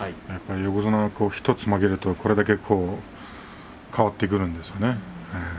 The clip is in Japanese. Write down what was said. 横綱は１つ負けるとこれだけ変わってくるんですよね。